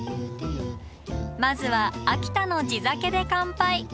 まずは秋田の地酒で乾杯！